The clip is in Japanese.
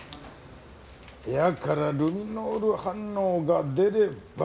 部屋からルミノール反応が出れば。